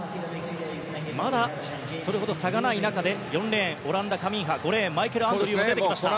まだそれほど差がない中で４レーン、オランダ、カミンハマイケル・アンドリューも出てきました。